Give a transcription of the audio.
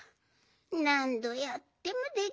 なんどやってもできないよ。